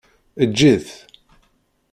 Eǧǧ-it.